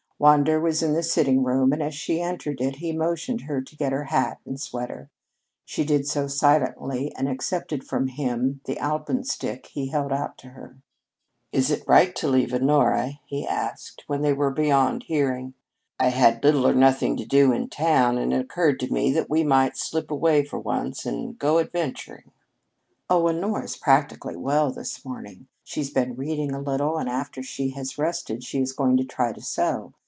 Wander was in the sitting room and as she entered it he motioned her to get her hat and sweater. She did so silently and accepted from him the alpenstock he held out to her. "Is it right to leave Honora?" he asked when they were beyond hearing. "I had little or nothing to do down in town, and it occurred to me that we might slip away for once and go adventuring." "Oh, Honora's particularly well this morning. She's been reading a little, and after she has rested she is going to try to sew.